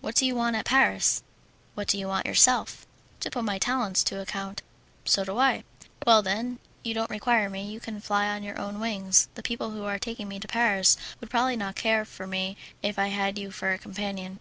"What do you want at Paris?" "What do you want yourself?" "To put my talents to account." "So do I." "Well, then, you don't require me, and can fly on your own wings. The people who are taking me to Paris would probably not care for me if I had you for a companion."